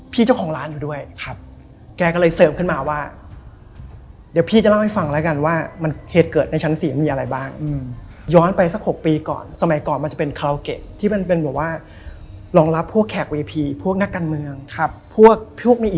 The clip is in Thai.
เพราะหักพักสุดซอยของผม